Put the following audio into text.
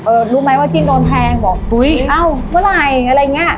เออรู้ไหมว่าจินโดนแทงบอกอุ้ยเอาเวลาอะไรอะไรอย่างเงี้ย